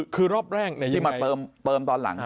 คือรอบแรกที่มาเติมตอนหลัง